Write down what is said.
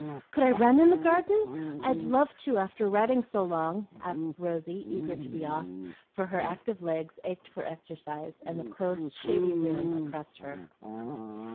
"Could I RUN in the garden? I'd love to, after riding so long," asked Rosy, eager to be off; for her active legs ached for exercise, and the close, shady room oppressed her.